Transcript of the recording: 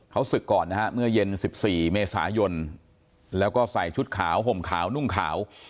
เขาศึกก่อนนะฮะเมื่อเย็น๑๔เมษายนแล้วก็ใส่ชุดขาวห่มขาวนุ่งขาว